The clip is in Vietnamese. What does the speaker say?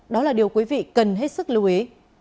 đó là điều quý vị cần hết sức lưu ý